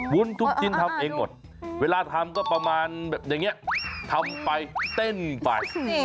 วุ้นทุกชิ้นทำเองหมดเวลาทำก็ประมาณแบบอย่างนี้ทำไปเต้นไป